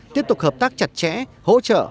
tiếp tục hợp tác chặt chẽ hỗ trợ